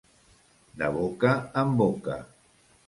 De boca en boca.